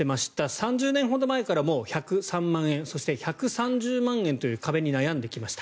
３０年ほど前から１０３万円そして、１３０万円という壁に悩んできました。